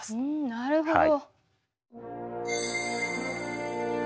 なるほど！